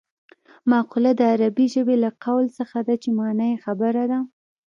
مقوله د عربي ژبې له قول څخه ده چې مانا یې خبره ده